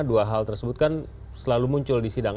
dua hal tersebut kan selalu muncul di sidang